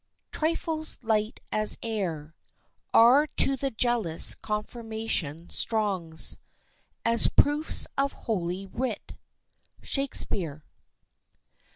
] "Trifles light as air, Are to the jealous confirmation strong As proofs of holy writ." —SHAKESPEARE.